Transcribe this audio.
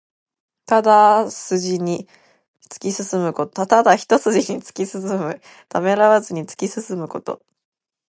ただ一すじに突き進む。ためらわずに突き進むこと。